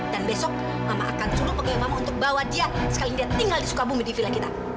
dan besok mama akan suruh pegawai mama untuk bawa dia sekali dia tinggal di sukabumi di villa kita